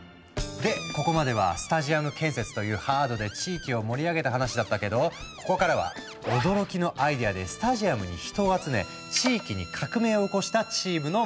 でここまではスタジアム建設というハードで地域を盛り上げた話だったけどここからは驚きのアイデアでスタジアムに人を集め地域に革命を起こしたチームの物語。